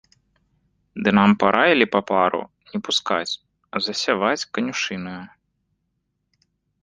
Ды нам параілі папару не пускаць, а засяваць канюшынаю.